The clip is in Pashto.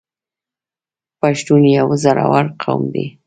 پښتون یو زړور قوم دی.